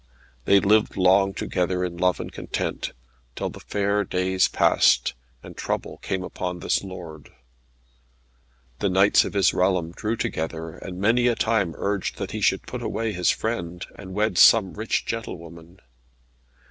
They lived long together in love and content, till the fair days passed, and trouble came upon this lord. The knights of his realm drew together, and many a time urged that he should put away his friend, and wed with some rich gentlewoman.